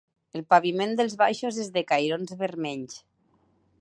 El paviment dels baixos és de cairons vermells.